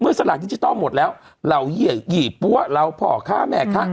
เมื่อสลากดิจิทัลหมดแล้วเราหยี่ปั๊วเราผ่อค่าแม่ค่ะ